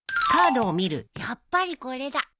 やっぱりこれだ。